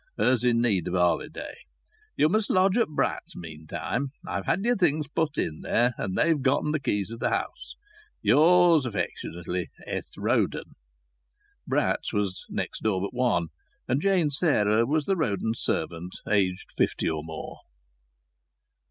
Her's in need of a holiday. You must lodge at Bratt's meantime. I've had your things put in there, and they've gotten the keys of the house. Yours affly, S. Roden." Bratt's was next door but one, and Jane Sarah was the Roden servant, aged fifty or more.